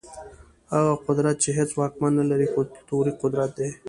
هغه قدرت چي هيڅ واکمن نلري، کلتوري قدرت دی.